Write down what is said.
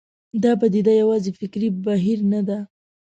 دا پدیده یوازې فکري بهیر نه ده.